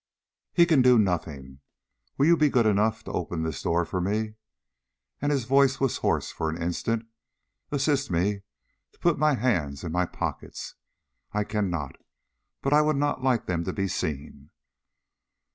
"He can do nothing. Will you be good enough to open this door for me? And" his voice was hoarse for an instant "assist me to put my hands in my pockets. I cannot. But I would not like them to be seen."